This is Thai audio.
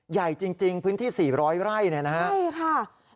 ใหญ่จริงพื้นที่๔๐๐ไร่เนี่ยนะฮะใช่ค่ะ